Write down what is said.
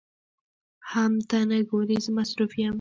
حم ته نه ګورې زه مصروف يم.